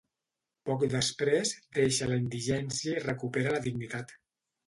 Poc després, deixa la indigència i recupera la dignitat.